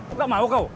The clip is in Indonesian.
enggak mau kau